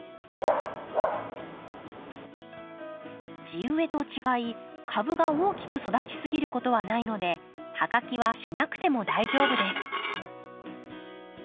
地植えと違い株が大きく育ちすぎることはないので葉かきはしなくても大丈夫です。